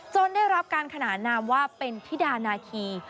ได้รับการขนานนามว่าเป็นธิดานาคี